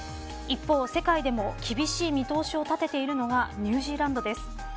一方、世界でも厳しい見通しを立てているのがニュージーランドです。